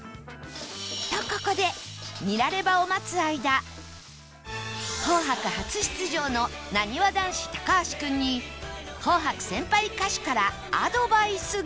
とここで『紅白』初出場のなにわ男子高橋君に『紅白』先輩歌手からアドバイスが